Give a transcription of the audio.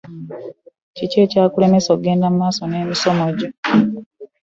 Kiki ekyakulemesa okugenda mu maaso n'emisomo gyo?